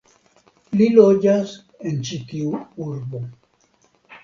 Li loĝas en ĉi tiu urbo.